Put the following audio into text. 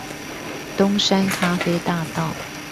東山咖啡大道